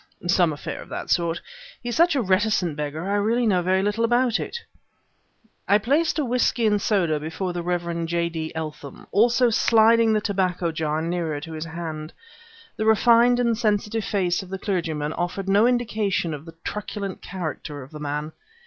"Some affair of that sort. He's such a reticent beggar, I really know very little about it." I placed a whisky and soda before the Rev. J. D. Eltham, also sliding the tobacco jar nearer to his hand. The refined and sensitive face of the clergy man offered no indication of the truculent character of the man.